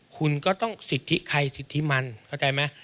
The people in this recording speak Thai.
คุณก็ต้องสิทธิใครสิทธิมันเข้าใจไหม